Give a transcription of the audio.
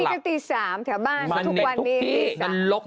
นี่แค่ตี๓แถวบ้านทุกวันนี้